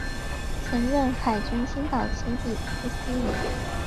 曾任海军青岛基地副司令员。